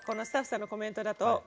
スタッフさんのコメントだと。